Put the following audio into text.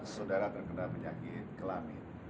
sudara terkena penyakit kelamin